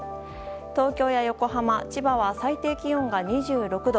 東京や横浜、千葉は最低気温が２６度。